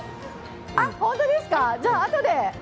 ほんとですか、じゃああとで。